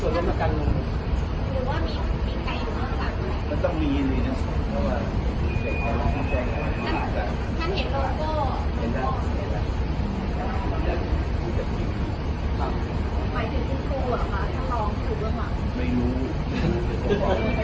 แล้วคุณคุณผู้ห่วงอะไรนะครับ